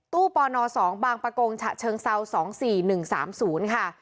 ปน๒บางประกงฉะเชิงเซา๒๔๑๓๐ค่ะ